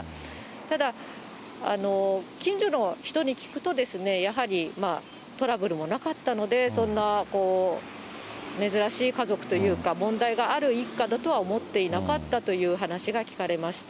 ただ、近所の人に聞くとですね、やはりまあ、トラブルもなかったので、そんな珍しい家族というか、問題がある一家だとは思っていなかったという話が聞かれました。